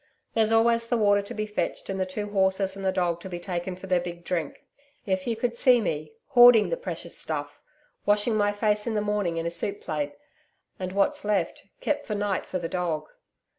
There's always the water to be fetched and the two horses and the dog to be taken for their big drink. If you could see me hoarding the precious stuff washing my face in the morning in a soup plate, and what's left kept for night for the dog.